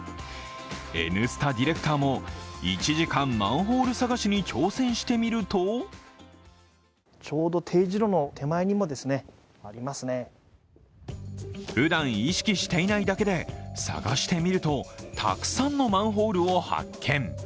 「Ｎスタ」ディレクターも１時間マンホール探しに挑戦してみるとふだん意識していないだけで探してみるとたくさんのマンホールを発見。